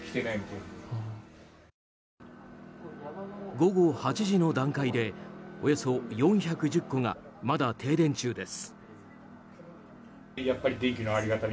午後８時の段階でおよそ４１０戸がまだ停電中です。